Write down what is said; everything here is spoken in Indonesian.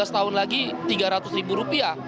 lima belas tahun lagi tiga ratus ribu rupiah